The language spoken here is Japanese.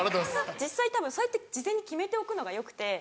実際たぶんそうやって事前に決めておくのがよくて。